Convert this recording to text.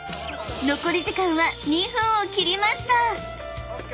［残り時間は２分を切りました］